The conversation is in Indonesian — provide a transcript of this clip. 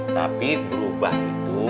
tapi berubah itu